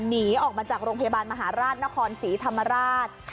หนีออกมาจากโรงพยาบาลมหาราชนครศรีธรรมราช